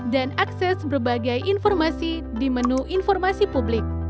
dan akses berbagai informasi di menu informasi publik